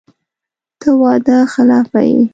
ته وعده خلافه یې !